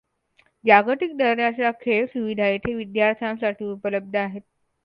जागतिक दर्जाच्या खेळ सुविधा येथे विद्यार्थ्यांसाठी उपलब्ध आहेत.